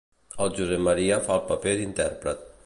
El Josep Maria fa el paper d'intèrpret.